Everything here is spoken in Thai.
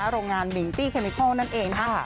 โรงงานมิงตี้เคมิคอลนั่นเองนะคะ